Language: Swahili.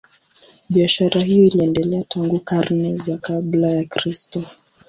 Biashara hiyo iliendelea tangu karne za kabla ya Kristo.